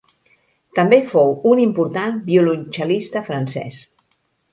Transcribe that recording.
També fou un important violoncel·lista francès.